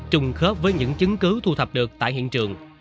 trùng khớp với những chứng cứ thu thập được tại hiện trường